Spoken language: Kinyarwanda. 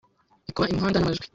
ikuba imihunda na majwi,